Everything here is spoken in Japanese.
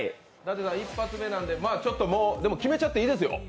１発目なんで、でも、もう決めちゃっていいですよ。